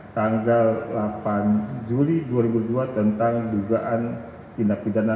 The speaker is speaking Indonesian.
tanggal delapan juli dua ribu dua tentang dugaan tindak pidana